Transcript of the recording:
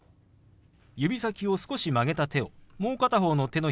指先を少し曲げた手をもう片方の手のひらにポンと置きます。